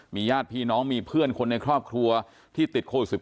ญาติพี่น้องมีเพื่อนคนในครอบครัวที่ติดโควิด๑๙